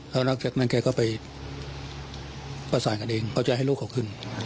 แล้วหลังจากนั้นแกก็ไปประสานกันเองเขาจะให้ลูกเขาขึ้น